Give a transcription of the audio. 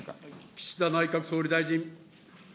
岸田内閣総理大臣。